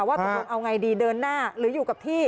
ว่าตกลงเอาไงดีเดินหน้าหรืออยู่กับที่